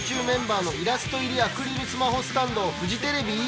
メンバーのイラスト入りアクリルスマホスタンドをフジテレビｅ！